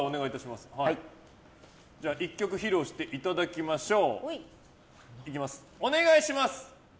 １曲披露していただきましょう。